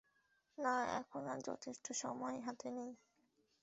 না, এখন আর যথেষ্ট সময় হাতে নেই।